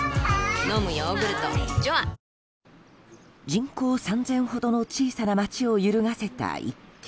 人口３０００ほどの小さな町を揺るがせた一件。